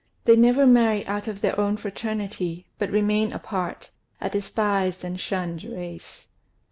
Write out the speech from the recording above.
They never marry out of their own fraternity, but remain apart, a despised and shunned race.